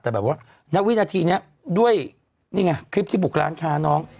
แต่แบบว่าณวินาทีนี้ด้วยนี่ไงคลิปที่บุกร้านค้าน้อง